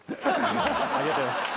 ありがとうございます。